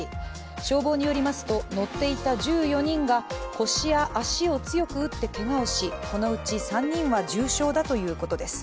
消防によりますと乗っていた１４人が腰や足を強く打ってけがをし、このうち３人は重傷だということです。